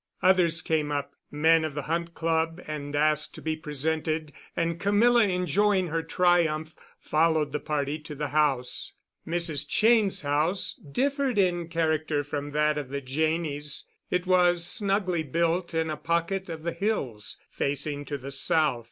Others came up, men of the Hunt Club, and asked to be presented, and Camilla, enjoying her triumph, followed the party to the house. Mrs. Cheyne's house differed in character from that of the Janneys. It was snugly built in a pocket of the hills, facing to the south.